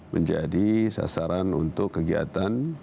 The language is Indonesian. menjadi sasaran untuk kegiatan